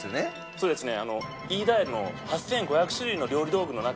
そうですね